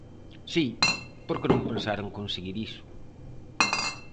Si, por que non pensar en conseguir iso?